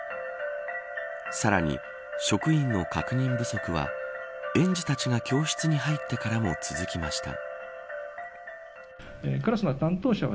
さらに職員の確認不足は園児たちが教室に入ってからも続きました。